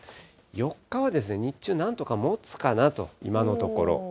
４日は日中なんとかもつかなと、今のところ。